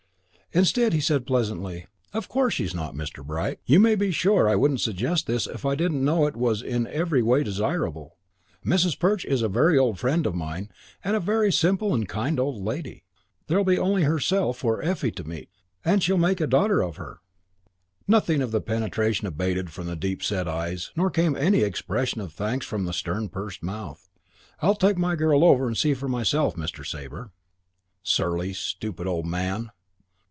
Instead he said pleasantly, "Of course she's not, Mr. Bright. You may be sure I wouldn't suggest this if I didn't know it was in every way desirable. Mrs. Perch is a very old friend of mine and a very simple and kind old lady. There'll be only herself for Effie to meet. And she'll make a daughter of her." Nothing, of the penetration abated from the deep set eyes, nor came any expression of thanks from the stern, pursed mouth. "I'll take my girl over and see for myself, Mr. Sabre." Surly, stupid old man!